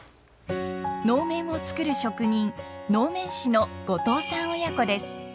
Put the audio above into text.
能面を作る職人能面師の後藤さん親子です。